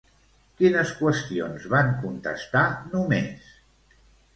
Quines qüestions van contestar només?